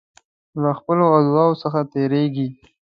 له خپلو ادعاوو څخه تیریږي.